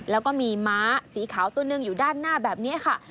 แล้วก็มีม้าสีขาวตัวหนึ่งอยู่ด้านหน้าแบบนี้ค่ะ